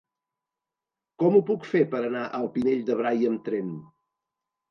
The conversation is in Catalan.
Com ho puc fer per anar al Pinell de Brai amb tren?